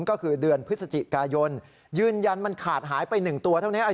ก็คือเดือนพฤศจิกายนยืนยันมันขาดหายไป๑ตัวเท่านี้